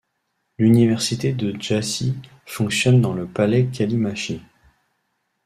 L'université de Jassy fonctionne dans le Palais Callimachi.